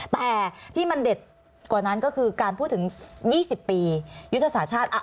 แต่ที่มันเด็ดกว่านั้นก็คือการพูดถึง๒๐ปียุทธศาสตร์ชาติ